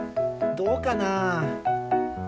どうかな？